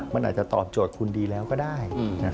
มันอาจจะตอบโจทย์คุณดีแล้วก็ได้